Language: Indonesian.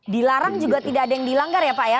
dilarang juga tidak ada yang dilanggar ya pak ya